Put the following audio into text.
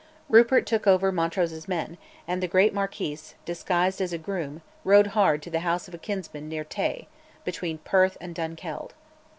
Rupert took over Montrose's men, and the great Marquis, disguised as a groom, rode hard to the house of a kinsman, near Tay, between Perth and Dunkeld.